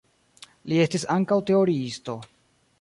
Li estis ankaŭ teoriisto.